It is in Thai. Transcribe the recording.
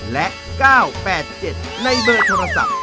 และ๙๘๗ในเบอร์โทรศัพท์